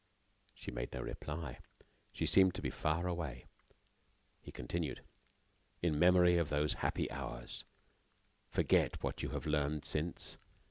She made no reply. She seemed to be far away. He continued: "In memory of those happy hours, forget what you have learned since.